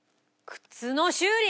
靴の修理？